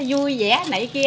vui vẻ này kia